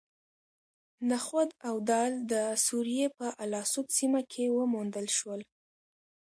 نخود او دال د سوریې په الاسود سیمه کې وموندل شول.